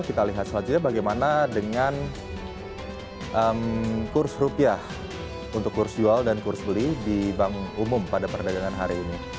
kita lihat selanjutnya bagaimana dengan kurs rupiah untuk kurs jual dan kurs beli di bank umum pada perdagangan hari ini